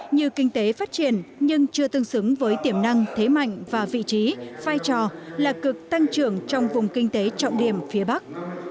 như kinh tế phát triển nhưng chưa tương xứng với tiềm năng thế mạnh và vị trí vai trò là cực tăng trưởng trong vùng kinh tế trọng điểm phía bắc